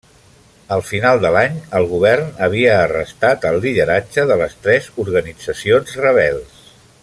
Al final de l'any, el govern havia arrestat el lideratge de les tres organitzacions rebels.